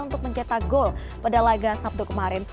untuk mencetak gol pada laga sabtu kemarin